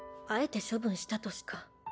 あえて処分したとしか。